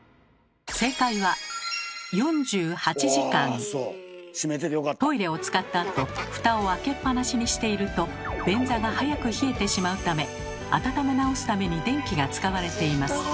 正解はトイレを使ったあとフタを開けっ放しにしていると便座が早く冷えてしまうため温め直すために電気が使われています。